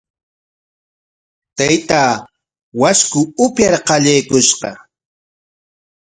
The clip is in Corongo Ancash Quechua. Taytaa washku upyar qallaykushqa.